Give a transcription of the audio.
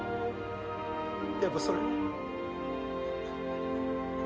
でもそれは。